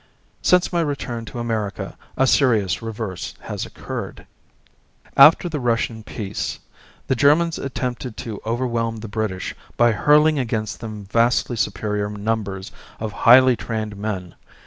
Since my return to America a serious reverse has occurred. After the Russian peace, the Germans attempted to overwhelm the British by hurling against them vastly superior numbers of highly trained men.